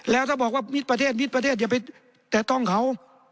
แล้วถ้าบอกว่ามิดประเทศมิดประเทศอย่าไปแตะต้องเขา